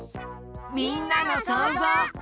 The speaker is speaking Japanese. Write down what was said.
みんなのそうぞう。